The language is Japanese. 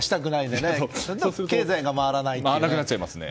で経済が回らないというね。